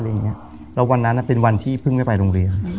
แล้ววันนั้นเป็นวันที่เพิ่งไม่ไปโรงเรียน